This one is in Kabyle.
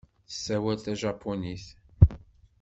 Tessawal tajapunit.